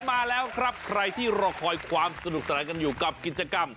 มาแล้วครับใครที่รอคอยความสนุกสนานกันอยู่กับกิจกรรม